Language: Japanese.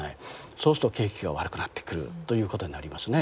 そうすると景気が悪くなってくるということになりますね。